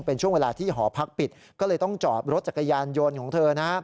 เป็นช่วงเวลาที่หอพักปิดก็เลยต้องจอดรถจักรยานยนต์ของเธอนะฮะ